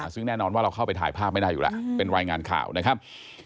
ซึ่งแน่นอนว่าเราเข้าไปถ่ายภาพไม่ได้อยู่แล้วเป็นรายงานข่าวนะครับ